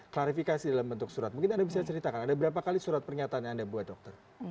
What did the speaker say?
klarifikasi dalam bentuk surat mungkin anda bisa ceritakan ada berapa kali surat pernyataan yang anda buat dokter